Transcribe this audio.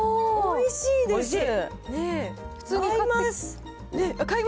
おいしいです。